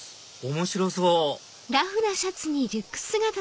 面白そう！